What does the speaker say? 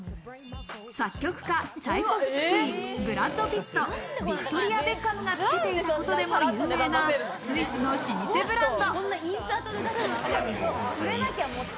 作曲家・チャイコフスキー、ブラッド・ピット、ヴィクトリア・ベッカムがつけていることでも有名なスイスの老舗ブランド。